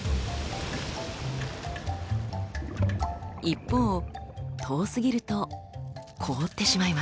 一方遠すぎると凍ってしまいます。